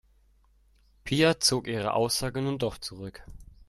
Pia zog ihre Aussage nun doch zurück.